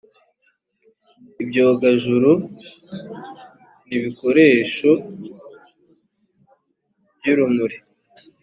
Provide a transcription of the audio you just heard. ibyogajuru n ibikoresho by urumuri